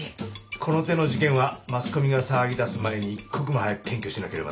この手の事件はマスコミが騒ぎだす前に一刻も早く検挙しなければならない。